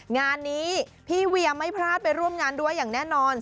งานนี้พี่เวียไม่พลาดไปร่วมงานด้วยอย่างแน่นอน